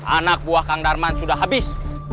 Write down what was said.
anak buah kang darman sudah habis